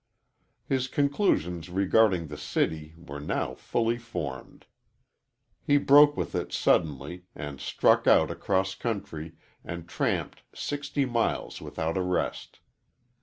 His conclusions regarding the city were now fully formed. He broke with it suddenly, and struck out across country and tramped sixty miles without a rest.